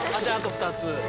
じゃああと２つ。